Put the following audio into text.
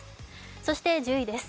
そして１０位です。